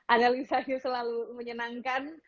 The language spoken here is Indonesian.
analisanya selalu menyenangkan